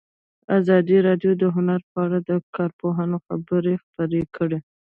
ازادي راډیو د هنر په اړه د کارپوهانو خبرې خپرې کړي.